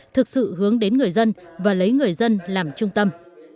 thực sự hướng đến người dân và lấy người dân làm trung tâm